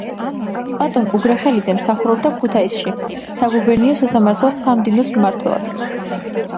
პლატონ უგრეხელიძე მსახურობდა ქუთაისში საგუბერნიო სასამართლოს სამდივნოს მმართველად.